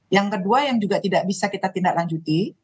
yang kedua yang juga tidak bisa kita tindak lanjuti